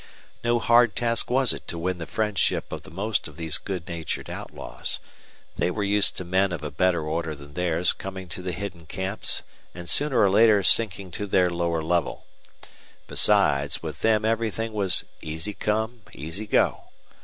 No hard task was it to win the friendship of the most of those good natured outlaws. They were used to men of a better order than theirs coming to the hidden camps and sooner or later sinking to their lower level. Besides, with them everything was easy come, easy go.